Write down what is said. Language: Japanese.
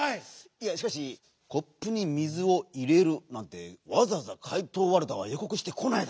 いやしかし「コップ」に「みず」を「いれる」なんてわざわざかいとうワルダはよこくしてこないだろう。